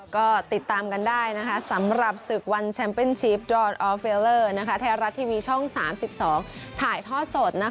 ก็ติดตามกันได้สำหรับศึกวันแชมป์เป็นชิปดรอนออฟเฟลเลอร์ไทยรัฐทีวีช่อง๓๒ถ่ายท่อสด